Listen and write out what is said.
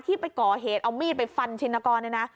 ที่ไปก่อเหตุเอามีดไปฟันชินกรนะ